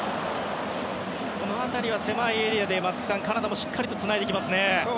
この辺りは狭いエリアでカナダもしっかりつないできますね。